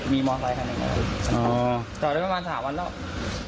มีมอเตอร์ไซต์อ๋อจอดได้ประมาณสามวันแล้ว